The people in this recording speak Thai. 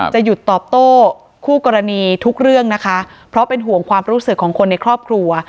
หยุดตอบโต้คู่กรณีทุกเรื่องนะคะเพราะเป็นห่วงความรู้สึกของคนในครอบครัว